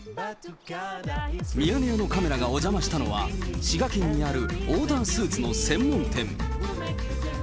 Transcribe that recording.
ミヤネ屋のカメラがお邪魔したのは、滋賀県にあるオーダースーツの専門店。